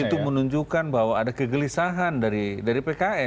itu menunjukkan bahwa ada kegelisahan dari pks